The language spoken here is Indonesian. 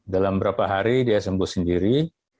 dalam beberapa hari dia sembuh sendiri